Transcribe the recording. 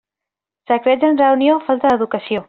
Secrets en reunió, falta d'educació.